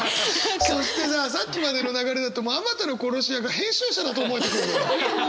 そしてささっきまでの流れだともう「数多の殺し屋」が編集者だと思えてくる。